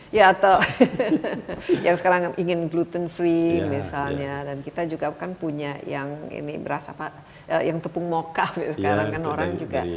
ya atau yang sekarang ingin gluten free misalnya dan kita juga kan punya yang ini beras apa yang tepung moka sekarang kan orang juga